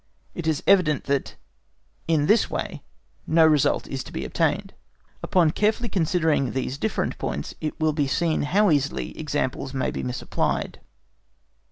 It is evident that in this way no result is to be obtained. Upon carefully considering these different points, it will be seen how easily examples may be misapplied.